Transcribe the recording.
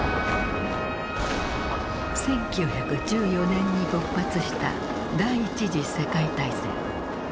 １９１４年に勃発した第一次世界大戦。